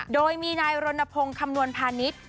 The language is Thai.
โดยมีนายรณพงศ์คำนวณพาณิชย์